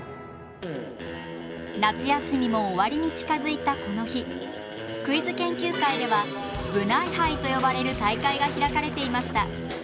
夏休みも終わりに近づいたこの日クイズ研究会では部内杯と呼ばれる大会が開かれていました。